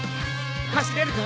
走れるか？